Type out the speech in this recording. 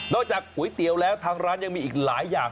จากก๋วยเตี๋ยวแล้วทางร้านยังมีอีกหลายอย่าง